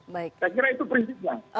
saya kira itu prinsipnya